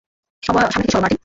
সামনে থেকে সরো, মার্টিন।